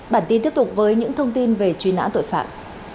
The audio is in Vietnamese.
bản tin tiếp tục với những thông tin về truy nã tội phạm